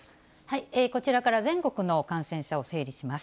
こちらから全国の感染者を整理します。